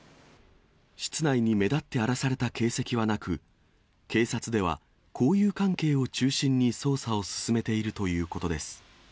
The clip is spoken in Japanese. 室内に目立って荒らされた形跡はなく、警察では、交友関係を中心に捜査を進めているということです。